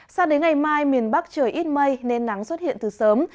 sao đến ngày mai miền bắc trời ít mây nên nắng xuất hiện từ sớm